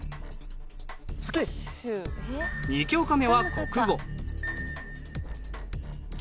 ２教科目は国語。